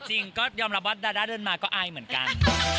จริงก็ยอมรับว่าดาด้าเดินมาก็อายเหมือนกัน